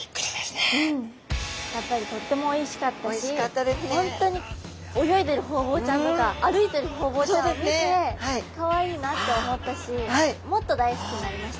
やっぱりとってもおいしかったし本当に泳いでるホウボウちゃんとか歩いてるホウボウちゃんを見てかわいいなって思ったしもっと大好きになりました。